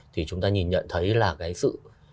thì chúng ta nhìn nhận thấy là cái sự